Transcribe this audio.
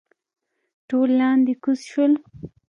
ټول لاندې کوز شول.